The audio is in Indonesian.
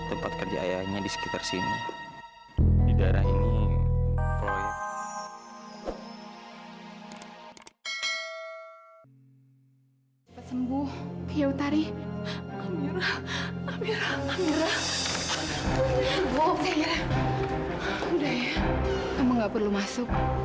udah ya kamu gak perlu masuk